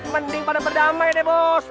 mending pada berdamai deh bos